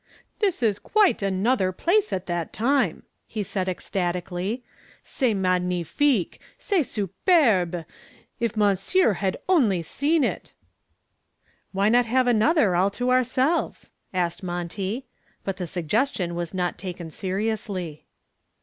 "This is quite another place at that time," he said ecstatically. "C'est magnifique! c'est superbe! If monsieur had only seen it!" "Why not have another all to ourselves?" asked Monty. But the suggestion was not taken seriously.